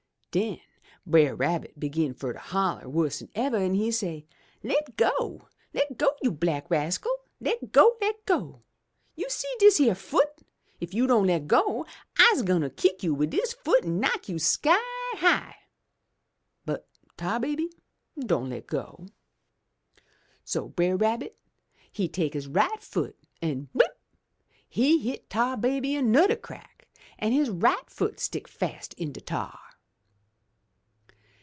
"Den Brer Rabbit begin fur to holler wuss'n ever, an' he say, *Le' go! Le' go, you black rascal! Le' go! Le' go! You see dis yere foot! If you don' le' go, I'se gwine kick you wid dis foot an' knock you sky high!' But Tar baby don' le' go. So Brer 239 MY BOOK HOUSE Rabbit he take his right foot an' blimp! he hit Tar baby anudder crack, an' his right foot stick fast in de tar.